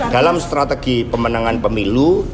dalam strategi pemenangan pemilu